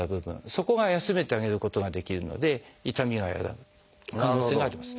そこが休めてあげることができるので痛みが和らぐ可能性があります。